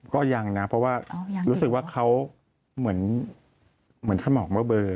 ก็ยังนะเพราะว่ารู้สึกว่าเขาเหมือนสมองเบอร์